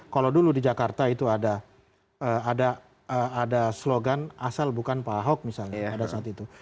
kalau dulu di jakarta itu ada slogan asal bukan pak ahok misalnya pada saat itu